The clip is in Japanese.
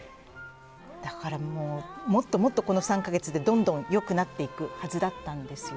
だからもっともっとこの３か月でどんどん良くなっていくはずだったんですよ。